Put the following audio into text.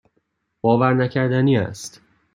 باورنکردنی است.